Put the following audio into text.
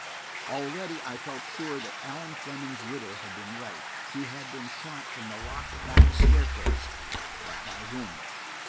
Already I felt sure that Allan Fleming's widow had been right; he had been shot from the locked back staircase. But by whom?